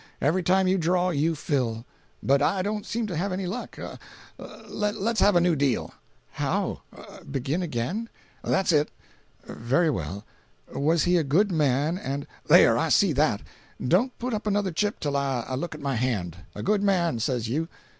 Every time you draw, you fill; but I don't seem to have any luck. Lets have a new deal." "How? Begin again?" "That's it." "Very well. Was he a good man, and—" "There—I see that; don't put up another chip till I look at my hand. A good man, says you?